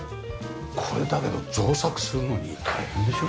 これだけど造作するのに大変でしょ？